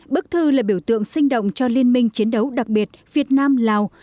bức thư là biểu tượng sinh động cho liên minh chiến đấu đặc biệt việt nam lào